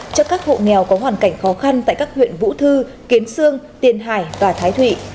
cho các hộ nghèo có hoàn cảnh khó khăn tại các huyện vũ thư kiến sương tiền hải và thái thụy